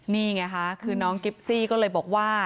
นี่ไงค่ะคือน้องกิฟซี่ก็เลยบอกว่า